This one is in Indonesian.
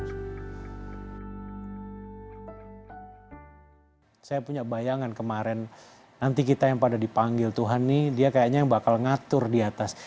saya punya bayangan kemarin nanti kita yang pada dipanggil tuhan nih dia kayaknya yang bakal ngatur di atas